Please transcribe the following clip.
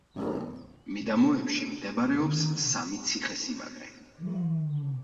მიდამოებში მდებარეობს სამი ციხე-სიმაგრე.